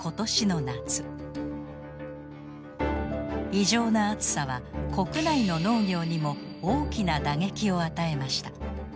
異常な暑さは国内の農業にも大きな打撃を与えました。